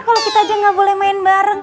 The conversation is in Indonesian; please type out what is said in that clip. kalo kita aja gak boleh main bareng